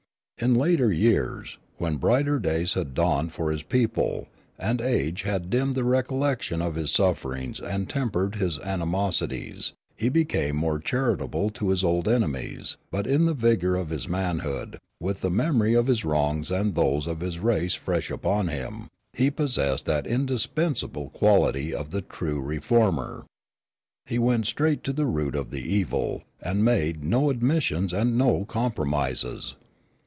In later years, when brighter days had dawned for his people, and age had dimmed the recollection of his sufferings and tempered his animosities, he became more charitable to his old enemies; but in the vigor of his manhood, with the memory of his wrongs and those of his race fresh upon him, he possessed that indispensable quality of the true reformer: he went straight to the root of the evil, and made no admissions and no compromises.